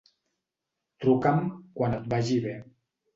Truca'm quan et vagi bé.